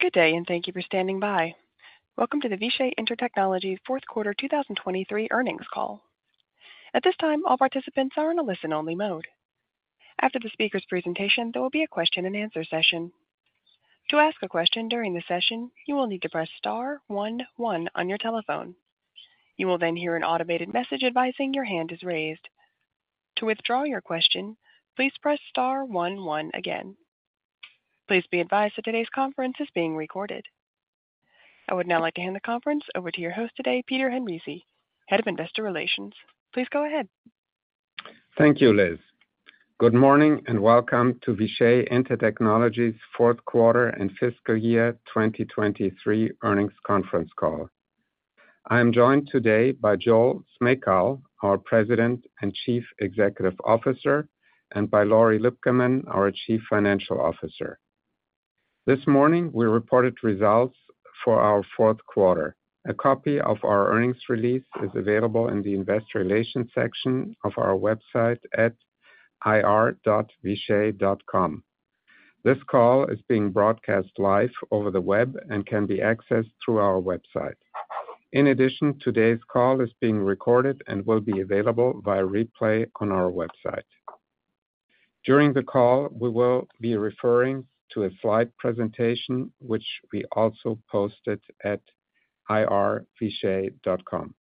Good day, and thank you for standing by. Welcome to the Vishay Intertechnology Fourth Quarter 2023 Earnings Call. At this time, all participants are in a listen-only mode. After the speaker's presentation, there will be a question-and-answer session. To ask a question during the session, you will need to press star one one on your telephone. You will then hear an automated message advising your hand is raised. To withdraw your question, please press star one one again. Please be advised that today's conference is being recorded. I would now like to hand the conference over to your host today, Peter Henrici, Head of Investor Relations. Please go ahead. Thank you, Liz. Good morning, and welcome to Vishay Intertechnology's Fourth Quarter and Fiscal Year 2023 Earnings Conference Call. I am joined today by Joel Smejkal, our President and Chief Executive Officer, and by Lori Lipcaman, our Chief Financial Officer. This morning, we reported results for our fourth quarter. A copy of our earnings release is available in the investor relations section of our website at ir.vishay.com. This call is being broadcast live over the web and can be accessed through our website. In addition, today's call is being recorded and will be available via replay on our website. During the call, we will be referring to a slide presentation, which we also posted at ir.vishay.com.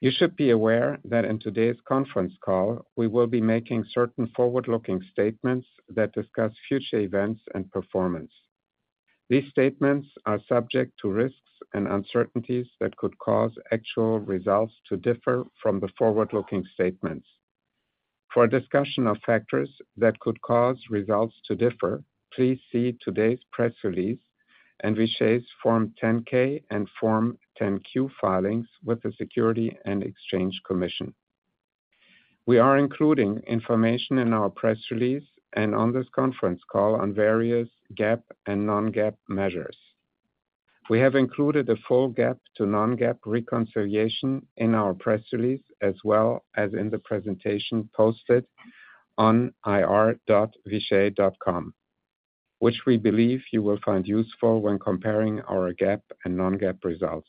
You should be aware that in today's conference call, we will be making certain forward-looking statements that discuss future events and performance. These statements are subject to risks and uncertainties that could cause actual results to differ from the forward-looking statements. For a discussion of factors that could cause results to differ, please see today's press release and Vishay's Form 10-K and Form 10-Q filings with the Securities and Exchange Commission. We are including information in our press release and on this conference call on various GAAP and non-GAAP measures. We have included a full GAAP to non-GAAP reconciliation in our press release, as well as in the presentation posted on ir.vishay.com, which we believe you will find useful when comparing our GAAP and non-GAAP results.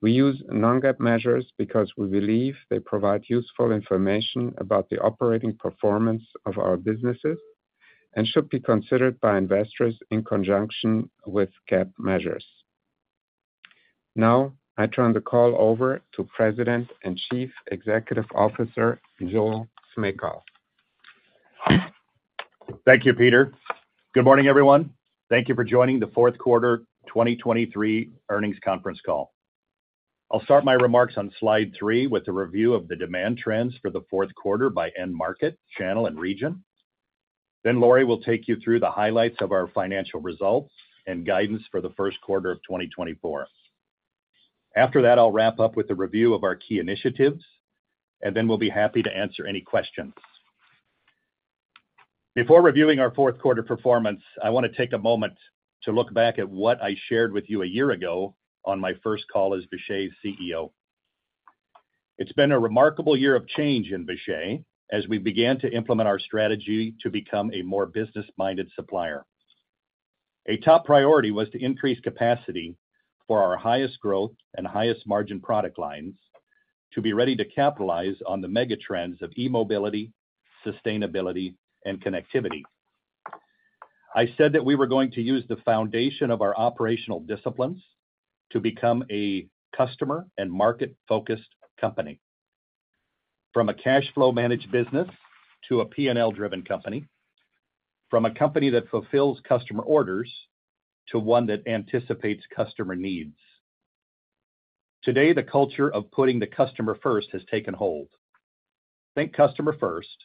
We use non-GAAP measures because we believe they provide useful information about the operating performance of our businesses and should be considered by investors in conjunction with GAAP measures. Now, I turn the call over to President and Chief Executive Officer, Joel Smejkal. Thank you, Peter. Good morning, everyone. Thank you for joining the fourth quarter 2023 earnings conference call. I'll start my remarks on slide 3 with a review of the demand trends for the fourth quarter by end market, channel, and region. Then Lori will take you through the highlights of our financial results and guidance for the first quarter of 2024. After that, I'll wrap up with a review of our key initiatives, and then we'll be happy to answer any questions. Before reviewing our fourth quarter performance, I want to take a moment to look back at what I shared with you a year ago on my first call as Vishay's CEO. It's been a remarkable year of change in Vishay as we began to implement our strategy to become a more business-minded supplier. A top priority was to increase capacity for our highest growth and highest margin product lines to be ready to capitalize on the mega trends of e-mobility, sustainability, and connectivity. I said that we were going to use the foundation of our operational disciplines to become a customer and market-focused company. From a cash flow managed business to a P&L-driven company, from a company that fulfills customer orders to one that anticipates customer needs. Today, the culture of putting the customer first has taken hold. Think Customer First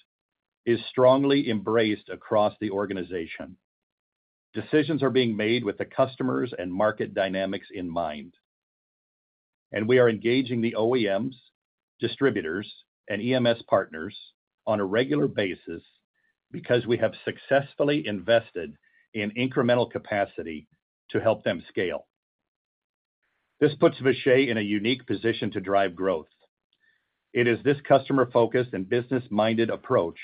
is strongly embraced across the organization. Decisions are being made with the customers and market dynamics in mind, and we are engaging the OEMs, distributors, and EMS partners on a regular basis because we have successfully invested in incremental capacity to help them scale. This puts Vishay in a unique position to drive growth. It is this customer-focused and business-minded approach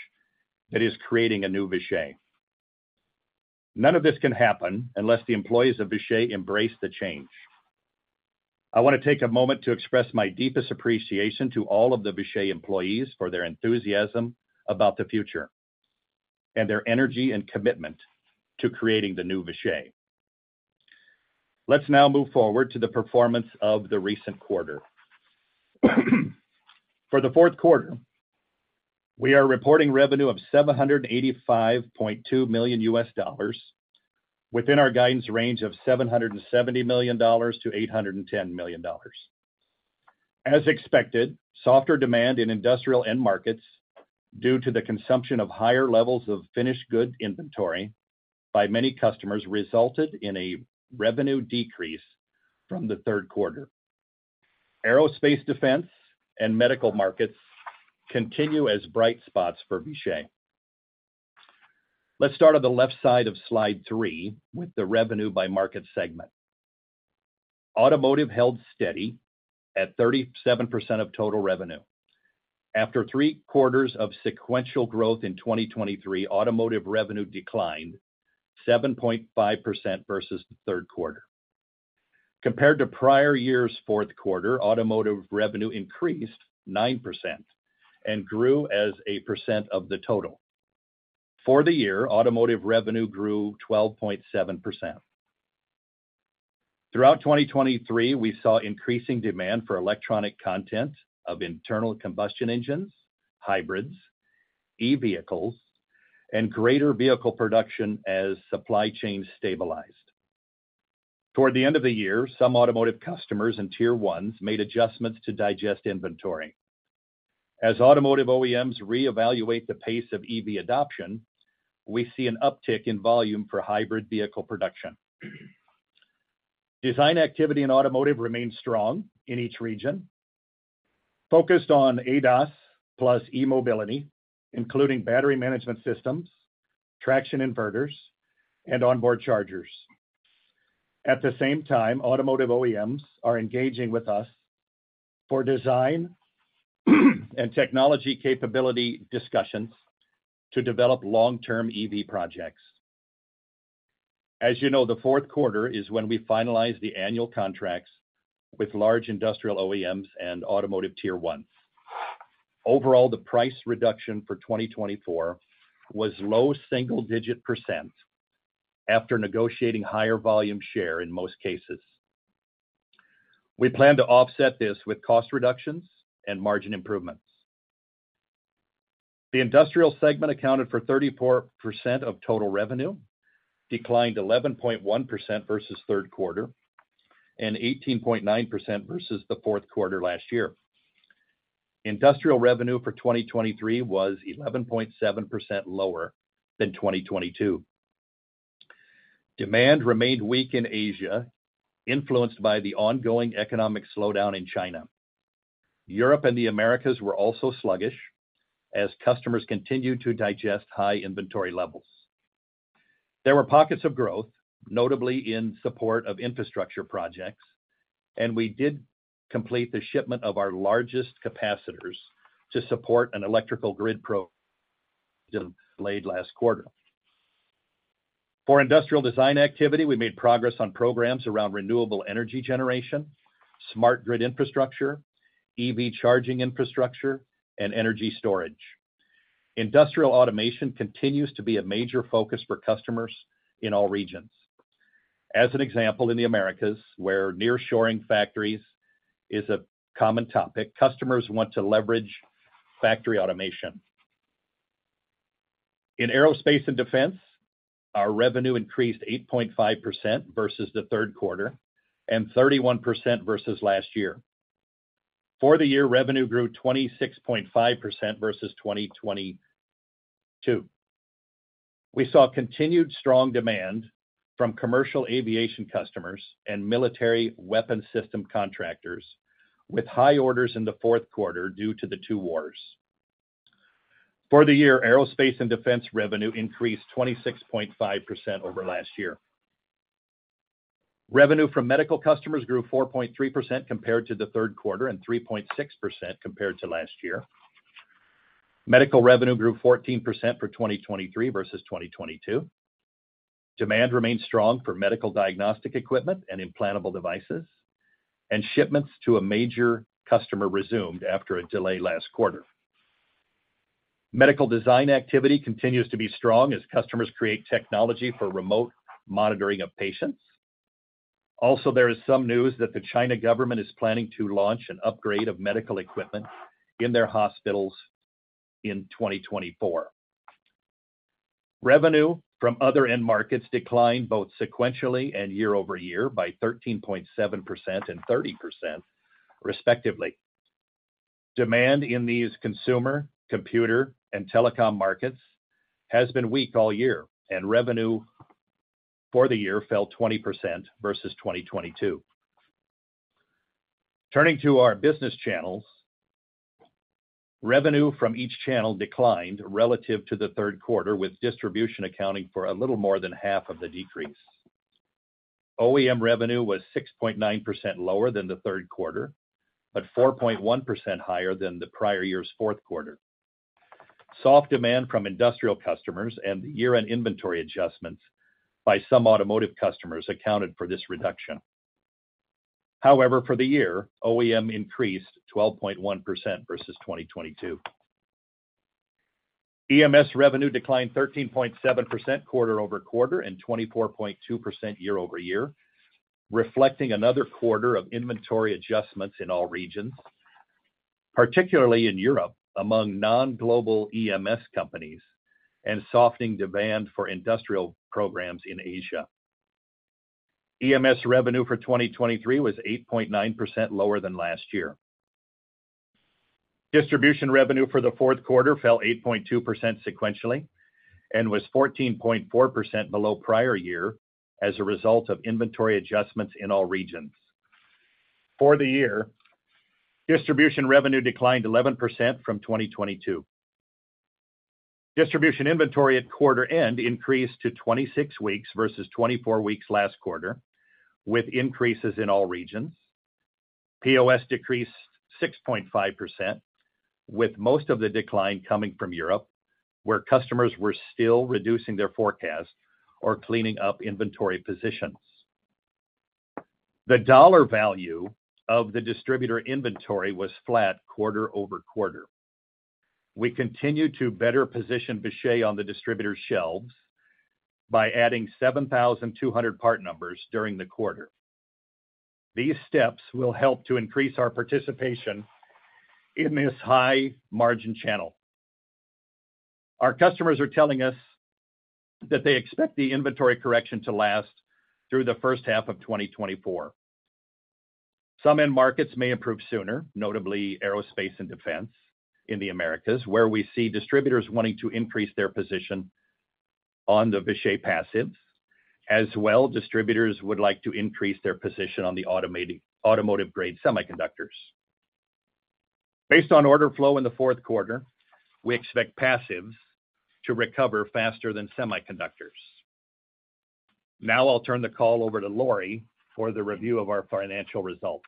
that is creating a new Vishay. None of this can happen unless the employees of Vishay embrace the change. I want to take a moment to express my deepest appreciation to all of the Vishay employees for their enthusiasm about the future and their energy and commitment to creating the new Vishay. Let's now move forward to the performance of the recent quarter. For the fourth quarter, we are reporting revenue of $785.2 million, within our guidance range of $770 million-$810 million. As expected, softer demand in industrial end markets due to the consumption of higher levels of finished goods inventory by many customers, resulted in a revenue decrease from the third quarter. Aerospace, defense, and medical markets continue as bright spots for Vishay. Let's start on the left side of slide three with the revenue by market segment. Automotive held steady at 37% of total revenue. After three quarters of sequential growth in 2023, Automotive revenue declined 7.5% versus the third quarter. Compared to prior year's fourth quarter, Automotive revenue increased 9% and grew as a percent of the total. For the year, Automotive revenue grew 12.7%. Throughout 2023, we saw increasing demand for electronic content of internal combustion engines, hybrids, e-vehicles, and greater vehicle production as supply chains stabilized. Toward the end of the year, some automotive customers and Tier 1s made adjustments to digest inventory. As automotive OEMs reevaluate the pace of EV adoption, we see an uptick in volume for hybrid vehicle production. Design activity in automotive remains strong in each region, focused on ADAS plus e-mobility, including battery management systems, traction inverters, and onboard chargers. At the same time, automotive OEMs are engaging with us for design and technology capability discussions to develop long-term EV projects. As you know, the fourth quarter is when we finalize the annual contracts with large industrial OEMs and automotive Tier 1s. Overall, the price reduction for 2024 was low single-digit percent after negotiating higher volume share in most cases. We plan to offset this with cost reductions and margin improvements. The industrial segment accounted for 34% of total revenue, declined 11.1% versus third quarter, and 18.9% versus the fourth quarter last year. Industrial revenue for 2023 was 11.7% lower than 2022. Demand remained weak in Asia, influenced by the ongoing economic slowdown in China. Europe and the Americas were also sluggish as customers continued to digest high inventory levels. There were pockets of growth, notably in support of infrastructure projects, and we did complete the shipment of our largest capacitors to support an electrical grid project delayed last quarter. For industrial design activity, we made progress on programs around renewable energy generation, smart grid infrastructure, EV charging infrastructure, and energy storage. Industrial automation continues to be a major focus for customers in all regions. As an example, in the Americas, where nearshoring factories is a common topic, customers want to leverage factory automation. In Aerospace and Defense, our revenue increased 8.5% versus the third quarter and 31% versus last year. For the year, revenue grew 26.5% versus 2022. We saw continued strong demand from commercial aviation customers and military weapon system contractors, with high orders in the fourth quarter due to the two wars. For the year, Aerospace and Defense revenue increased 26.5% over last year. Revenue from medical customers grew 4.3% compared to the third quarter and 3.6% compared to last year. Medical revenue grew 14% for 2023 versus 2022. Demand remains strong for medical diagnostic equipment and implantable devices, and shipments to a major customer resumed after a delay last quarter. Medical design activity continues to be strong as customers create technology for remote monitoring of patients. Also, there is some news that the Chinese government is planning to launch an upgrade of medical equipment in their hospitals in 2024. Revenue from other end markets declined both sequentially and year-over-year by 13.7% and 30% respectively. Demand in these consumer, computer, and telecom markets has been weak all year, and revenue for the year fell 20% versus 2022. Turning to our business channels, revenue from each channel declined relative to the third quarter, with distribution accounting for a little more than half of the decrease. OEM revenue was 6.9% lower than the third quarter, but 4.1% higher than the prior year's fourth quarter. Soft demand from industrial customers and year-end inventory adjustments by some automotive customers accounted for this reduction. However, for the year, OEM increased 12.1% versus 2022. EMS revenue declined 13.7% quarter-over-quarter and 24.2% year-over-year, reflecting another quarter of inventory adjustments in all regions, particularly in Europe, among non-global EMS companies and softening demand for industrial programs in Asia. EMS revenue for 2023 was 8.9% lower than last year. Distribution revenue for the fourth quarter fell 8.2% sequentially and was 14.4% below prior year as a result of inventory adjustments in all regions. For the year, distribution revenue declined 11% from 2022. Distribution inventory at quarter end increased to 26 weeks versus 24 weeks last quarter, with increases in all regions. POS decreased 6.5%, with most of the decline coming from Europe, where customers were still reducing their forecast or cleaning up inventory positions. The dollar value of the distributor inventory was flat quarter-over-quarter. We continued to better position Vishay on the distributor shelves by adding 7,200 part numbers during the quarter. These steps will help to increase our participation in this high-margin channel. Our customers are telling us that they expect the inventory correction to last through the first half of 2024. Some end markets may improve sooner, notably Aerospace and Defense in the Americas, where we see distributors wanting to increase their position on the Vishay passives. As well, distributors would like to increase their position on the automotive-grade semiconductors. Based on order flow in the fourth quarter, we expect passives to recover faster than semiconductors. Now I'll turn the call over to Lori for the review of our financial results.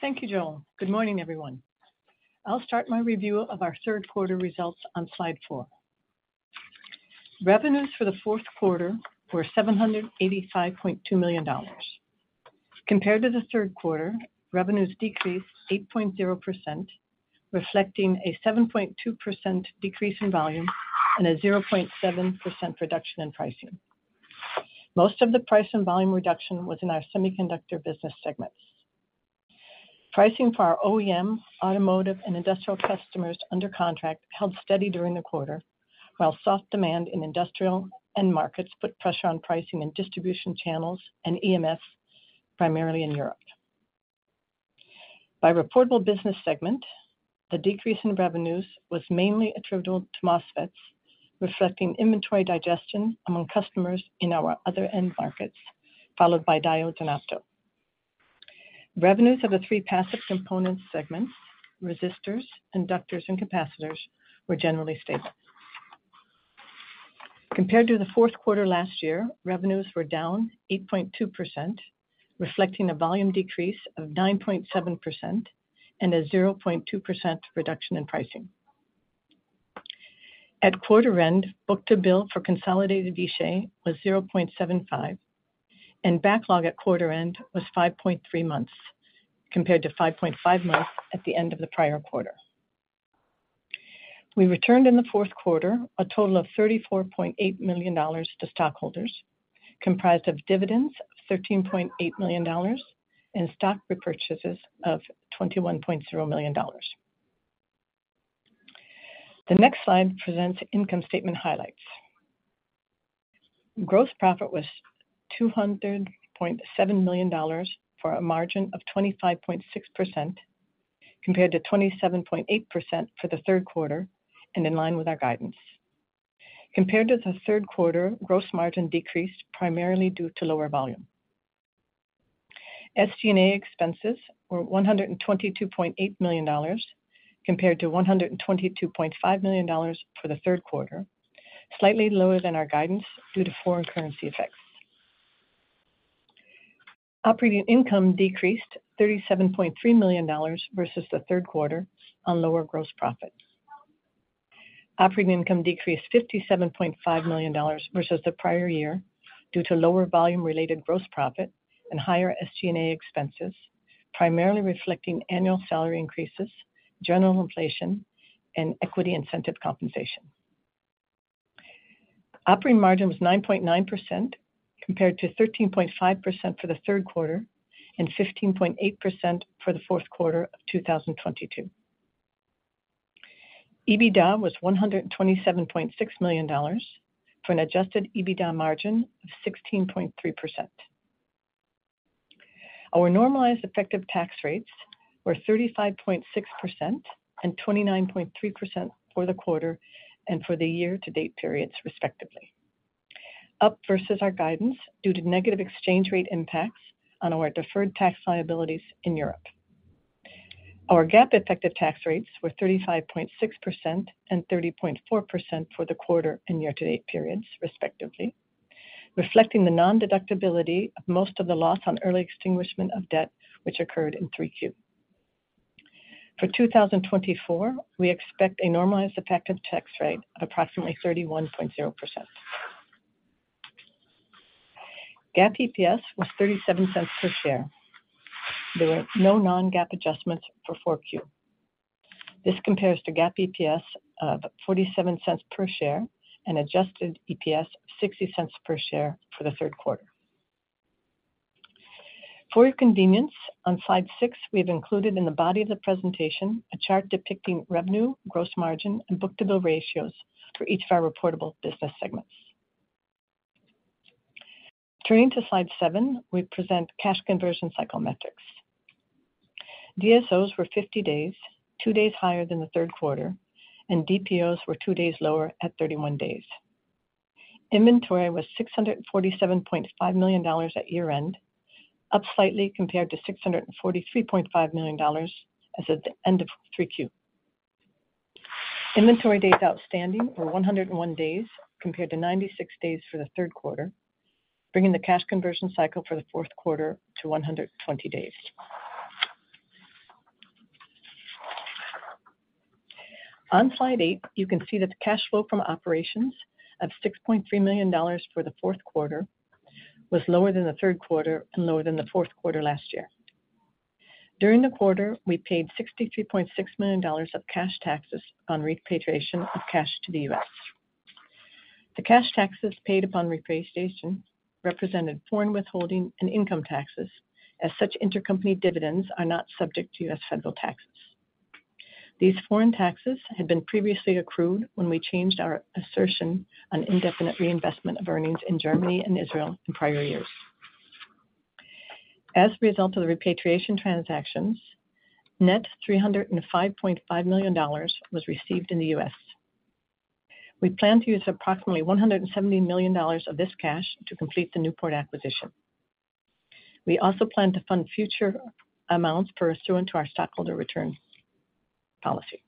Thank you, Joel. Good morning, everyone. I'll start my review of our third quarter results on slide four. Revenues for the fourth quarter were $785.2 million. Compared to the third quarter, revenues decreased 8.0%, reflecting a 7.2% decrease in volume and a 0.7% reduction in pricing. Most of the price and volume reduction was in our semiconductor business segments. Pricing for our OEM, automotive, and industrial customers under contract held steady during the quarter, while soft demand in industrial end markets put pressure on pricing and distribution channels and EMS, primarily in Europe. By reportable business segment, the decrease in revenues was mainly attributable to MOSFETs, reflecting inventory digestion among customers in our other end markets, followed by Diodes and Opto. Revenues of the three passive components segments, resistors, inductors, and capacitors, were generally stable. Compared to the fourth quarter last year, revenues were down 8.2%, reflecting a volume decrease of 9.7% and a 0.2% reduction in pricing. At quarter end, book-to-bill for consolidated Vishay was 0.75, and backlog at quarter end was 5.3 months, compared to 5.5 months at the end of the prior quarter. We returned in the fourth quarter, a total of $34.8 million to stockholders, comprised of dividends of $13.8 million and stock repurchases of $21.0 million. The next slide presents income statement highlights. Gross profit was $200.7 million, for a margin of 25.6%, compared to 27.8% for the third quarter and in line with our guidance. Compared to the third quarter, gross margin decreased primarily due to lower volume. SG&A expenses were $122.8 million, compared to $122.5 million for the third quarter, slightly lower than our guidance due to foreign currency effects. Operating income decreased $37.3 million versus the third quarter on lower gross profits. Operating income decreased $57.5 million versus the prior year due to lower volume-related gross profit and higher SG&A expenses, primarily reflecting annual salary increases, general inflation, and equity incentive compensation. Operating margin was 9.9%, compared to 13.5% for the third quarter and 15.8% for the fourth quarter of 2022. EBITDA was $127.6 million, for an adjusted EBITDA margin of 16.3%. Our normalized effective tax rates were 35.6% and 29.3% for the quarter and for the year-to-date periods, respectively. Up versus our guidance, due to negative exchange rate impacts on our deferred tax liabilities in Europe. Our GAAP effective tax rates were 35.6% and 30.4% for the quarter and year-to-date periods, respectively, reflecting the nondeductibility of most of the loss on early extinguishment of debt, which occurred in Q3. For 2024, we expect a normalized effective tax rate of approximately 31.0%. GAAP EPS was $0.37 per share. There were no non-GAAP adjustments for Q4. This compares to GAAP EPS of $0.47 per share and adjusted EPS of $0.60 per share for the third quarter. For your convenience, on slide six, we've included in the body of the presentation a chart depicting revenue, gross margin, and book-to-bill ratios for each of our reportable business segments. Turning to slide seven, we present cash conversion cycle metrics. DSOs were 50 days, 2 days higher than the third quarter, and DPOs were 2 days lower at 31 days. Inventory was $647.5 million at year-end, up slightly compared to $643.5 million as at the end of 3Q. Inventory days outstanding were 101 days, compared to 96 days for the third quarter, bringing the cash conversion cycle for the fourth quarter to 120 days. On slide 8, you can see that the cash flow from operations of $6.3 million for the fourth quarter was lower than the third quarter and lower than the fourth quarter last year. During the quarter, we paid $63.6 million of cash taxes on repatriation of cash to the U.S. The cash taxes paid upon repatriation represented foreign withholding and income taxes, as such intercompany dividends are not subject to U.S. federal taxes. These foreign taxes had been previously accrued when we changed our assertion on indefinite reinvestment of earnings in Germany and Israel in prior years. As a result of the repatriation transactions, net $305.5 million was received in the U.S. We plan to use approximately $170 million of this cash to complete the Newport acquisition. We also plan to fund future amounts pursuant to our stockholder return policy.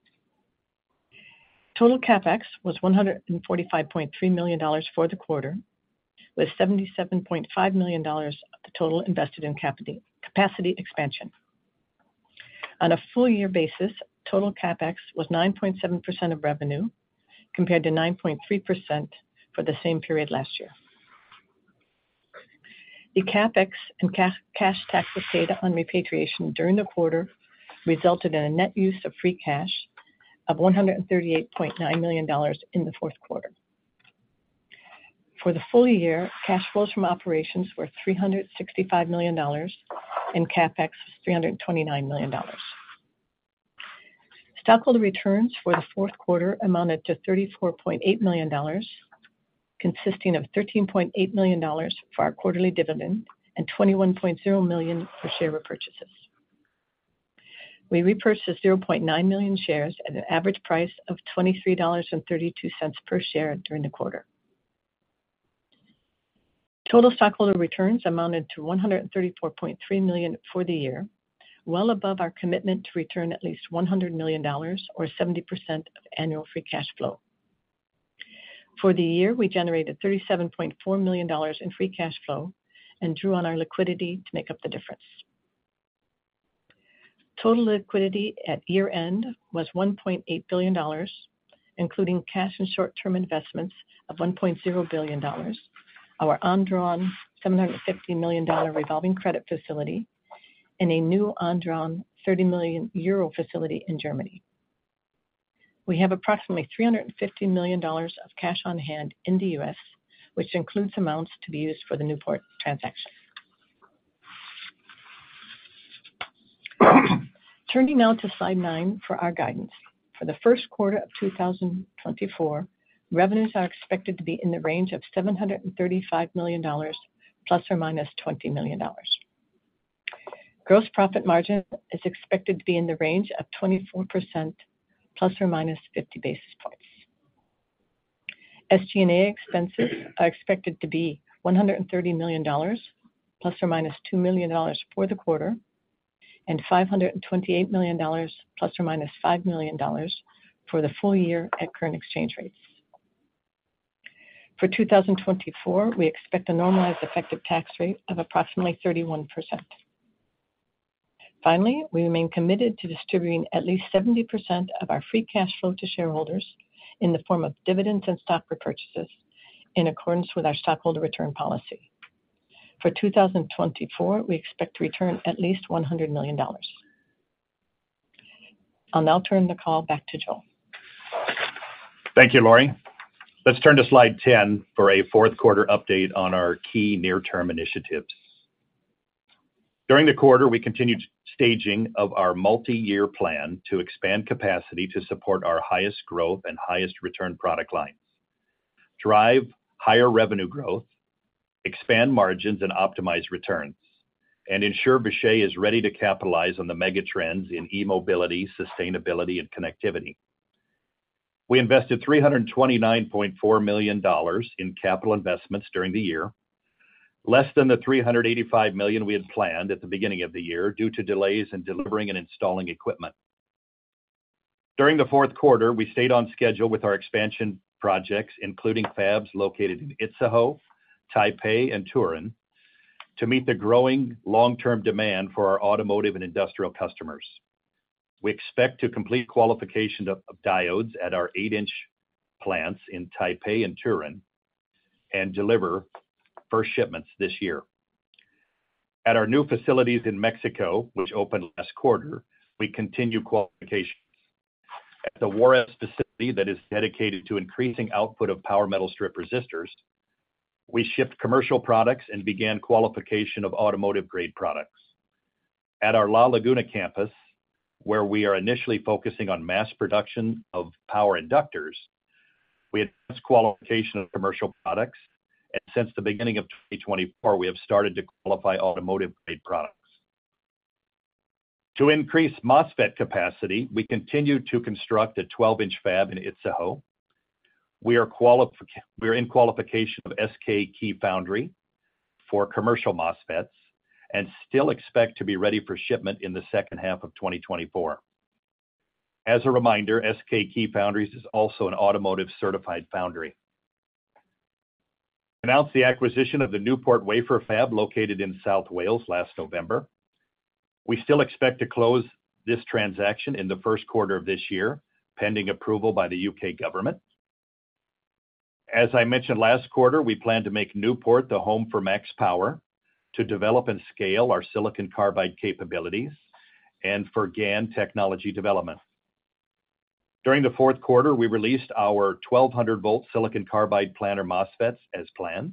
Total CapEx was $145.3 million for the quarter, with $77.5 million of the total invested in capacity expansion. On a full year basis, total CapEx was 9.7% of revenue, compared to 9.3% for the same period last year. The CapEx and cash taxes paid on repatriation during the quarter resulted in a net use of free cash of $138.9 million in the fourth quarter. For the full year, cash flows from operations were $365 million, and CapEx, $329 million. Stockholder returns for the fourth quarter amounted to $34.8 million, consisting of $13.8 million for our quarterly dividend and $21.0 million for share repurchases. We repurchased 0.9 million shares at an average price of $23.32 per share during the quarter. Total stockholder returns amounted to $134.3 million for the year, well above our commitment to return at least $100 million or 70% of annual free cash flow. For the year, we generated $37.4 million in free cash flow and drew on our liquidity to make up the difference. Total liquidity at year-end was $1.8 billion, including cash and short-term investments of $1.0 billion, our undrawn $750 million revolving credit facility, and a new undrawn 30 million euro facility in Germany. We have approximately $350 million of cash on hand in the U.S., which includes amounts to be used for the Newport transaction. Turning now to slide 9 for our guidance. For the first quarter of 2024, revenues are expected to be in the range of $735 million ± $20 million. Gross profit margin is expected to be in the range of 24% ± 50 basis points. SG&A expenses are expected to be $130 million ±$2 million for the quarter, and $528 million ±$5 million for the full year at current exchange rates. For 2024, we expect a normalized effective tax rate of approximately 31%. Finally, we remain committed to distributing at least 70% of our free cash flow to shareholders in the form of dividends and stock repurchases in accordance with our stockholder return policy. For 2024, we expect to return at least $100 million. I'll now turn the call back to Joel. Thank you, Lori. Let's turn to slide 10 for a fourth quarter update on our key near-term initiatives. During the quarter, we continued staging of our multiyear plan to expand capacity to support our highest growth and highest return product lines, drive higher revenue growth, expand margins and optimize returns, and ensure Vishay is ready to capitalize on the mega trends in e-mobility, sustainability, and connectivity. We invested $329.4 million in capital investments during the year, less than the $385 million we had planned at the beginning of the year due to delays in delivering and installing equipment. During the fourth quarter, we stayed on schedule with our expansion projects, including fabs located in Itzehoe, Taipei, and Turin, to meet the growing long-term demand for our automotive and industrial customers. We expect to complete qualification of diodes at our 8-inch plants in Taipei and Turin and deliver first shipments this year. At our new facilities in Mexico, which opened last quarter, we continue qualifications. At the Juárez facility that is dedicated to increasing output of power metal strip resistors, we shipped commercial products and began qualification of automotive-grade products. At our La Laguna campus, where we are initially focusing on mass production of power inductors, we advanced qualification of commercial products, and since the beginning of 2024, we have started to qualify automotive-grade products. To increase MOSFET capacity, we continue to construct a 12-inch fab in Itzehoe. We are in qualification of SK keyfoundry for commercial MOSFETs, and still expect to be ready for shipment in the second half of 2024. As a reminder, SK keyfoundry is also an automotive-certified foundry. Announce the acquisition of the Newport Wafer Fab, located in South Wales, last November. We still expect to close this transaction in the first quarter of this year, pending approval by the U.K. government. As I mentioned last quarter, we plan to make Newport the home for MaxPower, to develop and scale our silicon carbide capabilities, and for GaN technology development. During the fourth quarter, we released our 1,200-volt silicon carbide planar MOSFETs as planned.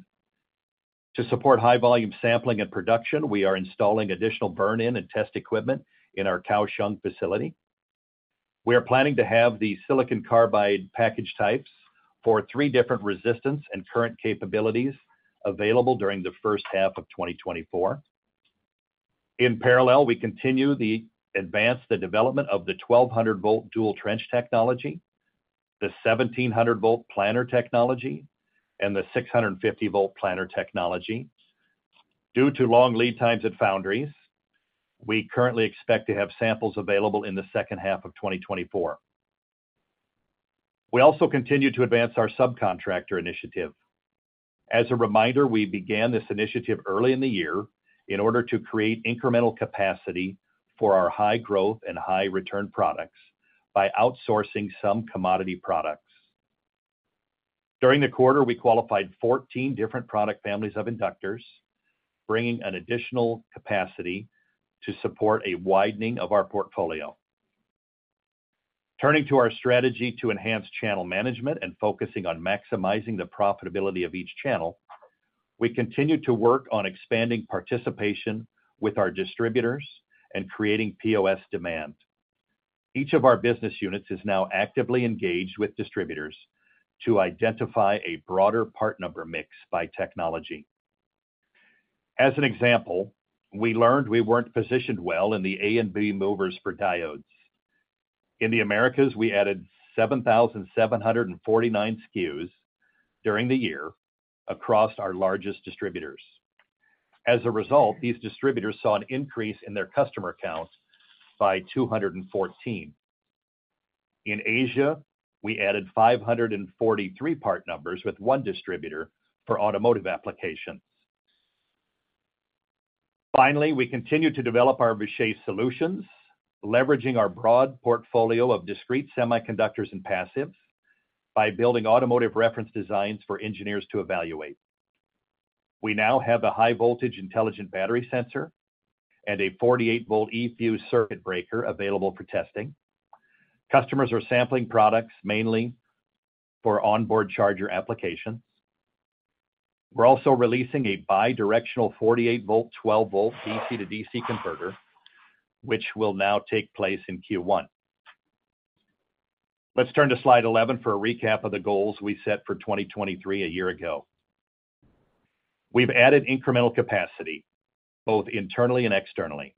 To support high volume sampling and production, we are installing additional burn-in and test equipment in our Kaohsiung facility. We are planning to have the silicon carbide package types for three different resistance and current capabilities available during the first half of 2024. In parallel, we continue to advance the development of the 1200-volt dual trench technology, the 1700-volt planar technology, and the 650-volt planar technology. Due to long lead times at foundries, we currently expect to have samples available in the second half of 2024. We also continue to advance our subcontractor initiative. As a reminder, we began this initiative early in the year in order to create incremental capacity for our high growth and high return products by outsourcing some commodity products. During the quarter, we qualified 14 different product families of inductors, bringing an additional capacity to support a widening of our portfolio. Turning to our strategy to enhance channel management and focusing on maximizing the profitability of each channel, we continue to work on expanding participation with our distributors and creating POS demand. Each of our business units is now actively engaged with distributors to identify a broader part number mix by technology. As an example, we learned we weren't positioned well in the A and B movers for diodes. In the Americas, we added 7,749 SKUs during the year across our largest distributors. As a result, these distributors saw an increase in their customer counts by 214. In Asia, we added 543 part numbers with one distributor for automotive applications. Finally, we continue to develop our Vishay solutions, leveraging our broad portfolio of discrete semiconductors and passives by building automotive reference designs for engineers to evaluate. We now have a high voltage intelligent battery sensor and a 48 volt eFuse circuit breaker available for testing. Customers are sampling products mainly for onboard charger applications. We're also releasing a bidirectional 48-volt, 12-volt DC to DC converter, which will now take place in Q1. Let's turn to slide 11 for a recap of the goals we set for 2023 a year ago. We've added incremental capacity, both internally and externally,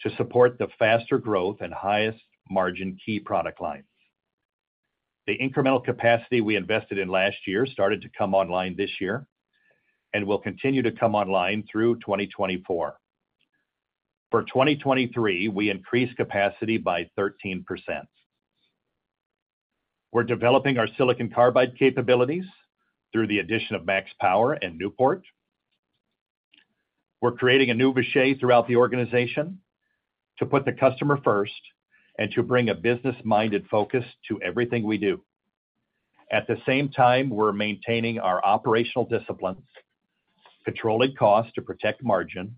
to support the faster growth and highest margin key product lines. The incremental capacity we invested in last year started to come online this year, and will continue to come online through 2024. For 2023, we increased capacity by 13%. We're developing our silicon carbide capabilities through the addition of MaxPower and Newport. We're creating a new Vishay throughout the organization to put the customer first and to bring a business-minded focus to everything we do. At the same time, we're maintaining our operational disciplines, controlling costs to protect margin,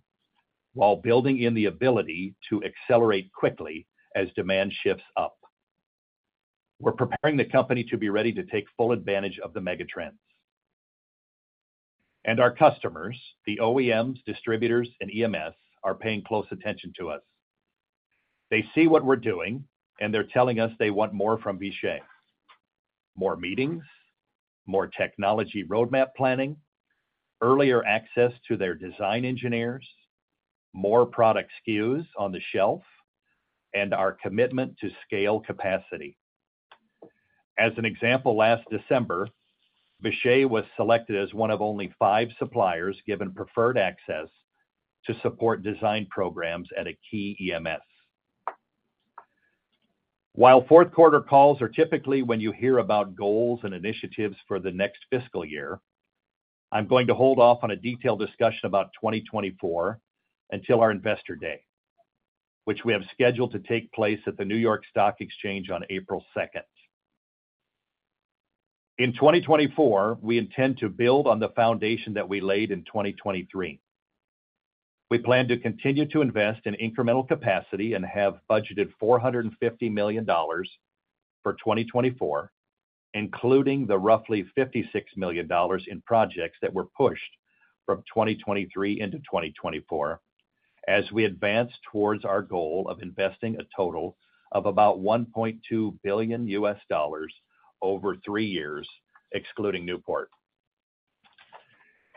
while building in the ability to accelerate quickly as demand shifts up. We're preparing the company to be ready to take full advantage of the mega trends. Our customers, the OEMs, distributors, and EMS, are paying close attention to us. They see what we're doing, and they're telling us they want more from Vishay: more meetings, more technology roadmap planning, earlier access to their design engineers, more product SKUs on the shelf, and our commitment to scale capacity. As an example, last December, Vishay was selected as one of only five suppliers given preferred access to support design programs at a key EMS. While fourth quarter calls are typically when you hear about goals and initiatives for the next fiscal year, I'm going to hold off on a detailed discussion about 2024 until our Investor Day, which we have scheduled to take place at the New York Stock Exchange on April 2. In 2024, we intend to build on the foundation that we laid in 2023. We plan to continue to invest in incremental capacity and have budgeted $450 million for 2024, including the roughly $56 million in projects that were pushed from 2023 into 2024, as we advance towards our goal of investing a total of about $1.2 billion over three years, excluding Newport....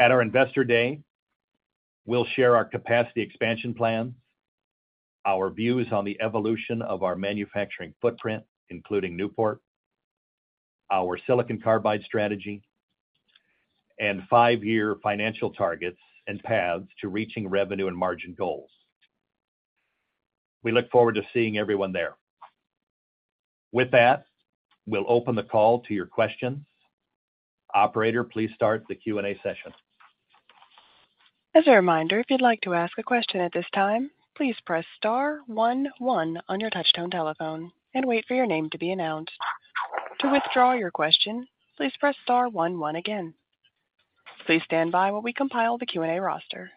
At our Investor Day, we'll share our capacity expansion plan, our views on the evolution of our manufacturing footprint, including Newport, our silicon carbide strategy, and five-year financial targets and paths to reaching revenue and margin goals. We look forward to seeing everyone there. With that, we'll open the call to your questions. Operator, please start the Q&A session. As a reminder, if you'd like to ask a question at this time, please press star one one on your touchtone telephone and wait for your name to be announced. To withdraw your question, please press star one one again. Please stand by while we compile the Q&A roster.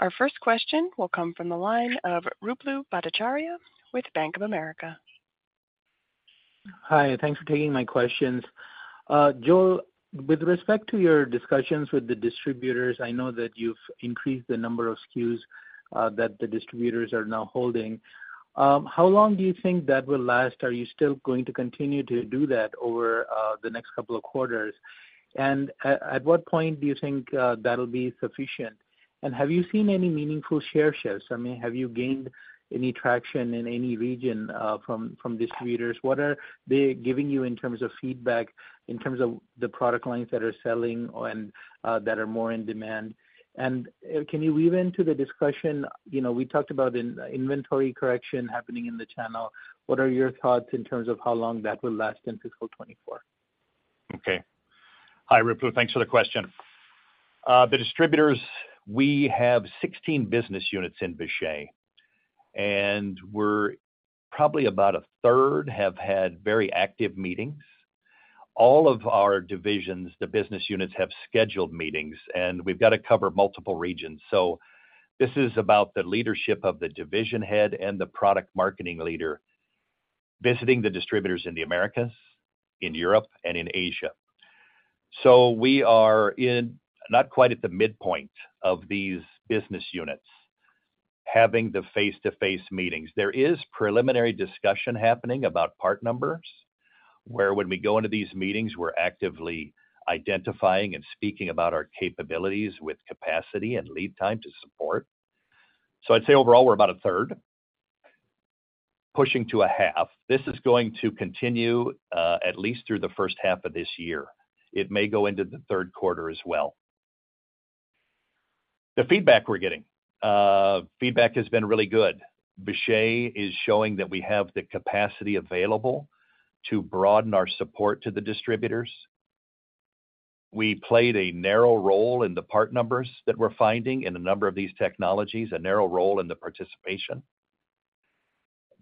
Our first question will come from the line of Ruplu Bhattacharya with Bank of America. Hi, thanks for taking my questions. Joel, with respect to your discussions with the distributors, I know that you've increased the number of SKUs that the distributors are now holding. How long do you think that will last? Are you still going to continue to do that over the next couple of quarters? And at what point do you think that'll be sufficient? And have you seen any meaningful share shifts? I mean, have you gained any traction in any region from distributors? What are they giving you in terms of feedback, in terms of the product lines that are selling and that are more in demand? And can you weave into the discussion, you know, we talked about in inventory correction happening in the channel. What are your thoughts in terms of how long that will last in fiscal 2024? Okay. Hi, Ruplu. Thanks for the question. The distributors, we have 16 business units in Vishay, and we're probably about a third, have had very active meetings. All of our divisions, the business units, have scheduled meetings, and we've got to cover multiple regions. So this is about the leadership of the division head and the product marketing leader visiting the distributors in the Americas, in Europe, and in Asia. So we are in... not quite at the midpoint of these business units, having the face-to-face meetings. There is preliminary discussion happening about part numbers, where when we go into these meetings, we're actively identifying and speaking about our capabilities with capacity and lead time to support. So I'd say overall, we're about a third, pushing to a half. This is going to continue, at least through the first half of this year. It may go into the third quarter as well. The feedback we're getting, feedback has been really good. Vishay is showing that we have the capacity available to broaden our support to the distributors. We played a narrow role in the part numbers that we're finding in a number of these technologies, a narrow role in the participation.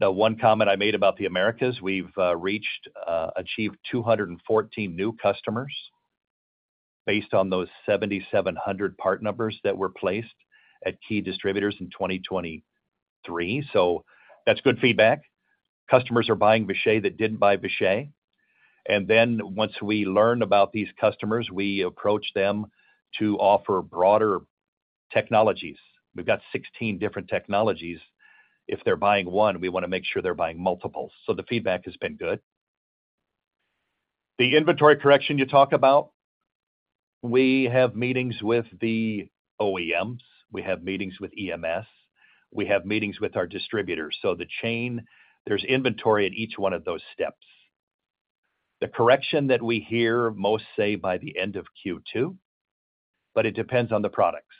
The one comment I made about the Americas, we've reached, achieved 214 new customers based on those 7,700 part numbers that were placed at key distributors in 2023. So that's good feedback. Customers are buying Vishay that didn't buy Vishay, and then once we learn about these customers, we approach them to offer broader technologies. We've got 16 different technologies. If they're buying one, we want to make sure they're buying multiples. So the feedback has been good. The inventory correction you talk about, we have meetings with the OEMs, we have meetings with EMS, we have meetings with our distributors. So the chain, there's inventory at each one of those steps. The correction that we hear, most say by the end of Q2, but it depends on the products.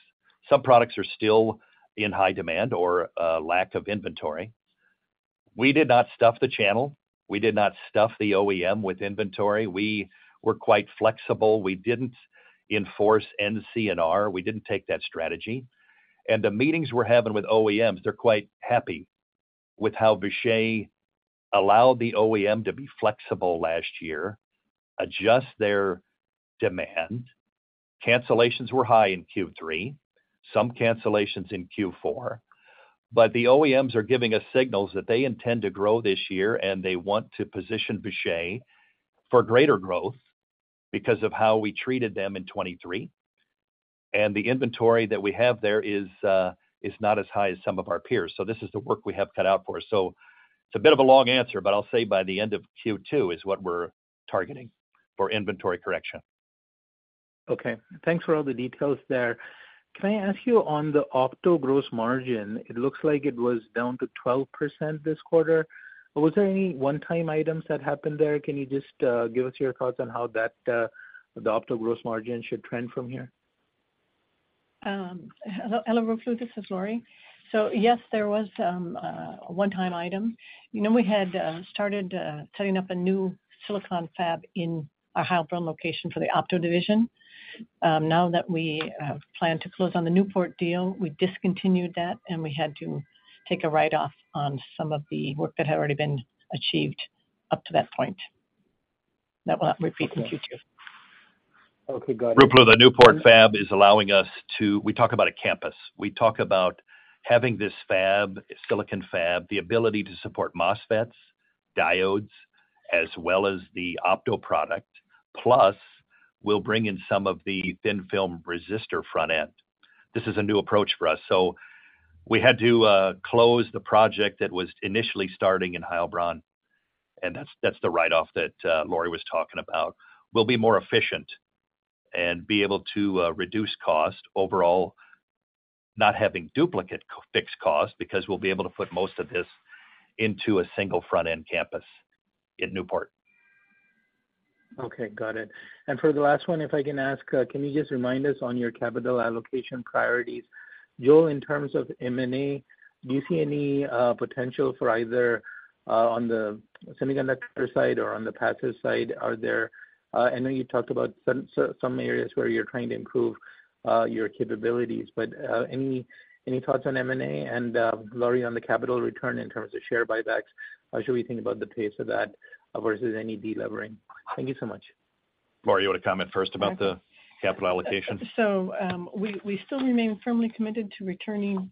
Some products are still in high demand or lack of inventory. We did not stuff the channel. We did not stuff the OEM with inventory. We were quite flexible. We didn't enforce NCNR. We didn't take that strategy. And the meetings we're having with OEMs, they're quite happy with how Vishay allowed the OEM to be flexible last year, adjust their demand. Cancellations were high in Q3, some cancellations in Q4, but the OEMs are giving us signals that they intend to grow this year, and they want to position Vishay for greater growth because of how we treated them in 2023. The inventory that we have there is not as high as some of our peers. So this is the work we have cut out for us. So it's a bit of a long answer, but I'll say by the end of Q2 is what we're targeting for inventory correction. Okay, thanks for all the details there. Can I ask you on the Opto gross margin, it looks like it was down to 12% this quarter. Was there any one-time items that happened there? Can you just give us your thoughts on how that, the Opto gross margin should trend from here? Hello, Ruplu, this is Lori. So yes, there was a one-time item. You know, we had started setting up a new silicon fab in our Heilbronn location for the Opto division. Now that we plan to close on the Newport deal, we discontinued that, and we had to take a write-off on some of the work that had already been achieved up to that point. That will not repeat in Q2. Okay, got it. Ruplu, the Newport fab is allowing us to—we talk about a campus. We talk about having this fab, silicon fab, the ability to support MOSFETs, diodes, as well as the Opto product, plus... we'll bring in some of the thin-film resistor front end. This is a new approach for us, so we had to close the project that was initially starting in Heilbronn, and that's the write-off that Lori was talking about. We'll be more efficient and be able to reduce cost overall, not having duplicate co-fixed costs, because we'll be able to put most of this into a single front-end campus in Newport. Okay, got it. And for the last one, if I can ask, can you just remind us on your capital allocation priorities? Joel, in terms of M&A, do you see any potential for either on the semiconductor side or on the passive side? Are there some areas where you're trying to improve your capabilities, but any thoughts on M&A? And, Lori, on the capital return in terms of share buybacks, how should we think about the pace of that versus any delevering? Thank you so much. Lori, you want to comment first about the capital allocation? So, we still remain firmly committed to returning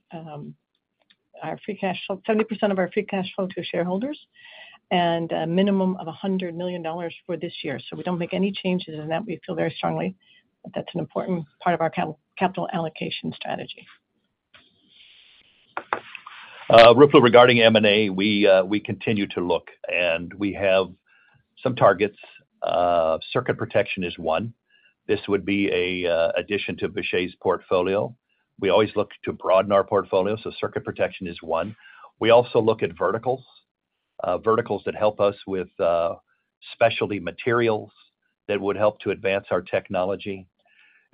our free cash flow—70% of our free cash flow to shareholders, and a minimum of $100 million for this year. We don't make any changes in that. We feel very strongly that that's an important part of our capital allocation strategy. Ruplu, regarding M&A, we continue to look, and we have some targets. Circuit protection is one. This would be a addition to Vishay's portfolio. We always look to broaden our portfolio, so circuit protection is one. We also look at verticals. Verticals that help us with specialty materials that would help to advance our technology.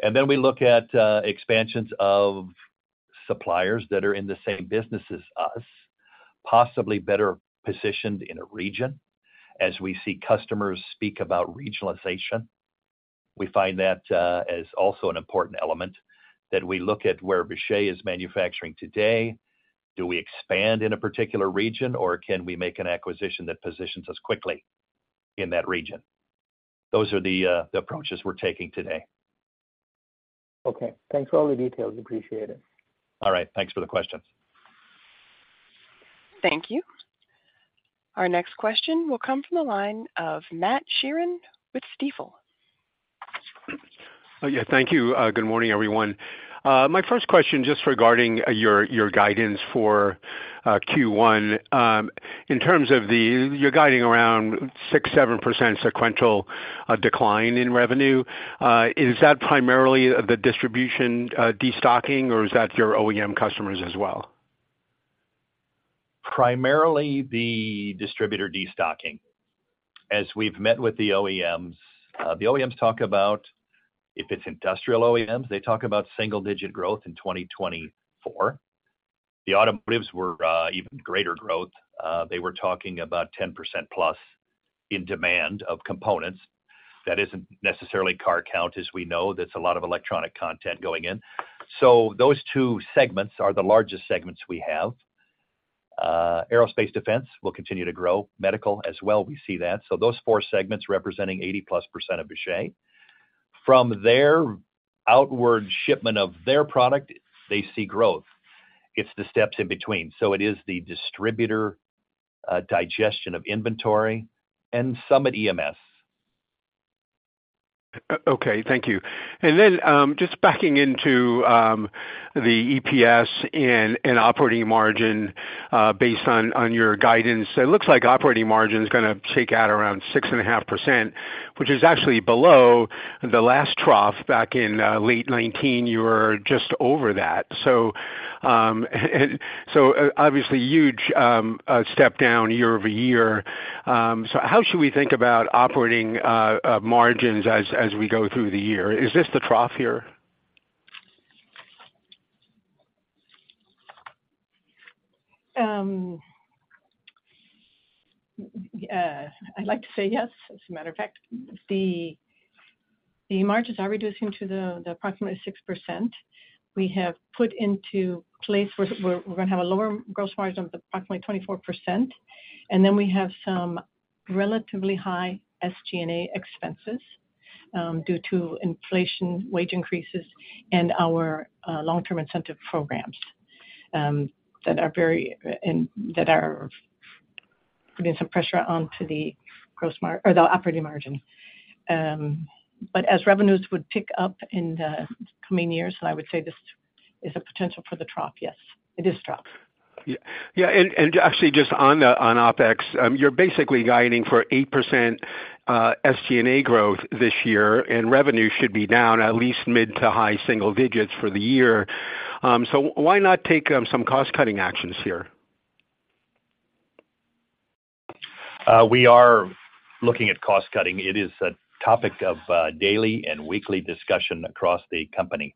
And then we look at expansions of suppliers that are in the same business as us, possibly better positioned in a region. As we see customers speak about regionalization, we find that as also an important element, that we look at where Vishay is manufacturing today. Do we expand in a particular region, or can we make an acquisition that positions us quickly in that region? Those are the approaches we're taking today. Okay. Thanks for all the details. Appreciate it. All right. Thanks for the question. Thank you. Our next question will come from the line of Matt Sheerin with Stifel. Yeah, thank you. Good morning, everyone. My first question, just regarding your guidance for Q1. In terms of the... You're guiding around 6%-7% sequential decline in revenue. Is that primarily the distribution destocking, or is that your OEM customers as well? Primarily the distributor destocking. As we've met with the OEMs, the OEMs talk about if it's industrial OEMs, they talk about single-digit growth in 2024. The automotives were even greater growth. They were talking about 10%+ in demand of components. That isn't necessarily car count, as we know, that's a lot of electronic content going in. So those two segments are the largest segments we have. Aerospace defense will continue to grow. Medical as well, we see that. So those four segments representing 80+% of Vishay. From their outward shipment of their product, they see growth. It's the steps in between. So it is the distributor digestion of inventory and some at EMS. Okay, thank you. And then, just backing into the EPS and operating margin, based on your guidance, it looks like operating margin is gonna shake out around 6.5%, which is actually below the last trough back in late 2019, you were just over that. So, obviously, huge step down year-over-year. So, how should we think about operating margins as we go through the year? Is this the trough here? I'd like to say yes, as a matter of fact. The margins are reducing to approximately 6%. We have put into place where we're gonna have a lower gross margin of approximately 24%, and then we have some relatively high SG&A expenses due to inflation, wage increases, and our long-term incentive programs that are putting some pressure onto the gross margin or the operating margin. But as revenues would pick up in the coming years, I would say this is a potential for the trough. Yes, it is a trough. Yeah, yeah, actually just on OpEx, you're basically guiding for 8% SG&A growth this year, and revenue should be down at least mid- to high-single digits for the year. So why not take some cost-cutting actions here? We are looking at cost cutting. It is a topic of daily and weekly discussion across the company.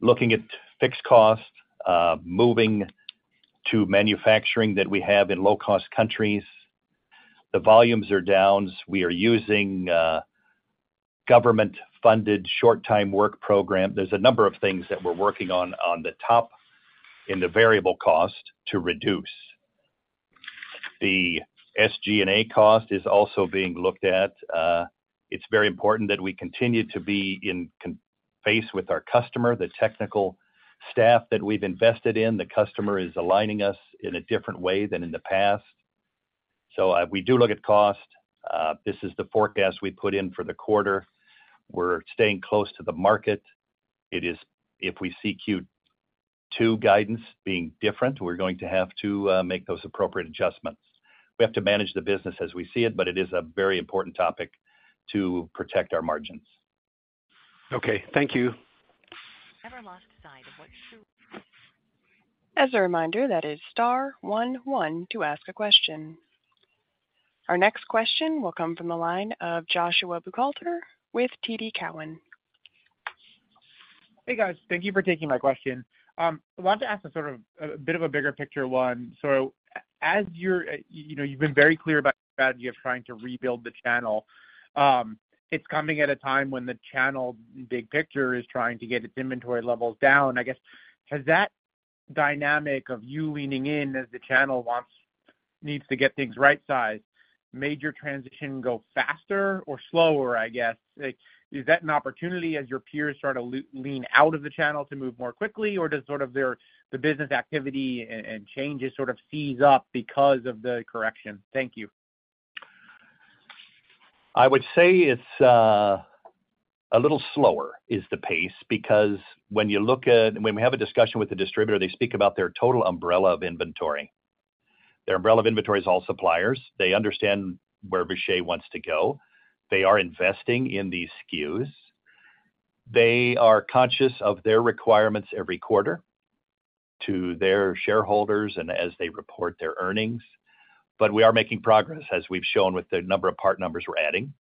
Looking at fixed costs, moving to manufacturing that we have in low-cost countries. The volumes are down. We are using government-funded short-time work program. There's a number of things that we're working on, on top, in the variable cost to reduce. The SG&A cost is also being looked at. It's very important that we continue to be in contact with our customer, the technical staff that we've invested in. The customer is aligning us in a different way than in the past. We do look at cost. This is the forecast we put in for the quarter. We're staying close to the market. It is if we see Q2 guidance being different, we're going to have to make those appropriate adjustments. We have to manage the business as we see it, but it is a very important topic to protect our margins. Okay, thank you. Never lost sight of what's true. As a reminder, that is star one one to ask a question. Our next question will come from the line of Joshua Buchalter with TD Cowen. Hey, guys. Thank you for taking my question. I wanted to ask a sort of a bit of a bigger picture one. So as you're, you know, you've been very clear about your strategy of trying to rebuild the channel. It's coming at a time when the channel, big picture, is trying to get its inventory levels down. I guess, has that dynamic of you leaning in as the channel wants needs to get things right-sized, made your transition go faster or slower, I guess? Like, is that an opportunity as your peers start to lean out of the channel to move more quickly, or does sort of their, the business activity and changes sort of seize up because of the correction? Thank you. I would say it's a little slower, is the pace, because when you look at when we have a discussion with the distributor, they speak about their total umbrella of inventory. Their umbrella of inventory is all suppliers. They understand where Vishay wants to go. They are investing in these SKUs. They are conscious of their requirements every quarter to their shareholders and as they report their earnings. But we are making progress, as we've shown with the number of part numbers we're adding,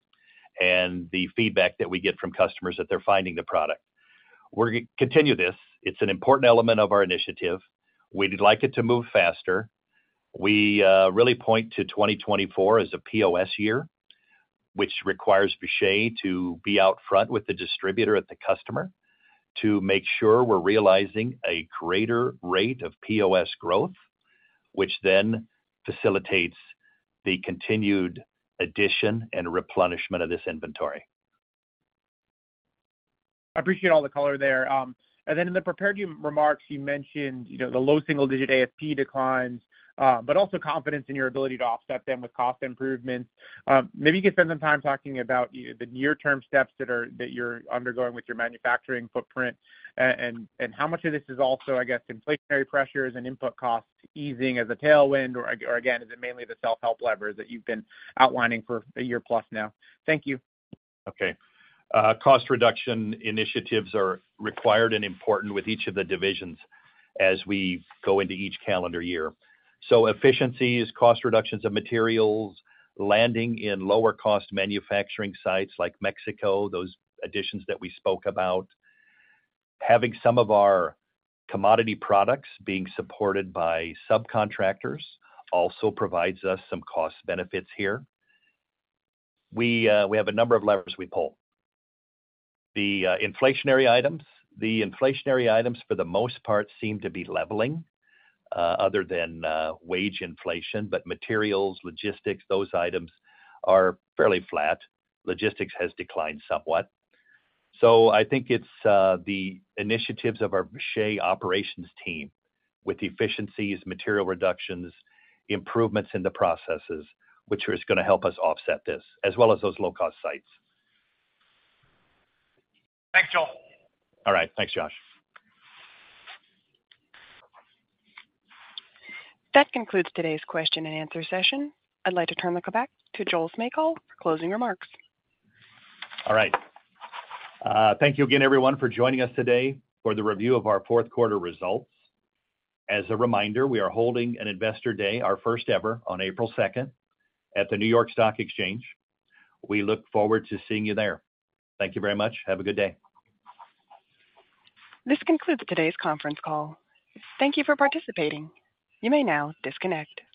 and the feedback that we get from customers, that they're finding the product. We're gonna continue this. It's an important element of our initiative. We'd like it to move faster. We really point to 2024 as a POS year, which requires Vishay to be out front with the distributor at the customer, to make sure we're realizing a greater rate of POS growth, which then facilitates the continued addition and replenishment of this inventory. I appreciate all the color there. And then in the prepared remarks, you mentioned, you know, the low single-digit ASP declines, but also confidence in your ability to offset them with cost improvements. Maybe you could spend some time talking about the near-term steps that you're undergoing with your manufacturing footprint. And how much of this is also, I guess, inflationary pressures and input costs easing as a tailwind, or, again, is it mainly the self-help levers that you've been outlining for a year plus now? Thank you. Okay. Cost reduction initiatives are required and important with each of the divisions as we go into each calendar year. So efficiencies, cost reductions of materials, landing in lower-cost manufacturing sites like Mexico, those additions that we spoke about. Having some of our commodity products being supported by subcontractors also provides us some cost benefits here. We have a number of levers we pull. The inflationary items? The inflationary items, for the most part, seem to be leveling, other than wage inflation. But materials, logistics, those items are fairly flat. Logistics has declined somewhat. So I think it's the initiatives of our Vishay operations team with the efficiencies, material reductions, improvements in the processes, which is gonna help us offset this, as well as those low-cost sites. Thanks, Joel. All right. Thanks, Josh. That concludes today's question and answer session. I'd like to turn the call back to Joel Smejkal for closing remarks. All right. Thank you again, everyone, for joining us today for the review of our fourth quarter results. As a reminder, we are holding an Investor Day, our first ever, on April second at the New York Stock Exchange. We look forward to seeing you there. Thank you very much. Have a good day. This concludes today's conference call. Thank you for participating. You may now disconnect.